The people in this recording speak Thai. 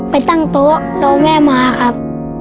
ไปตั้งโต๊ะรอแม่มาครับ